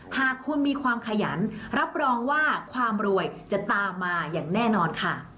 หากคุณมีความขยันรับรองว่าความรวยจะตามมาอย่างแน่นอนค่ะ